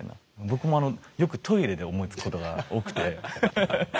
僕もあのよくトイレで思いつくことが多くてアハハッ。